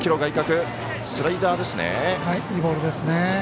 いいボールですね。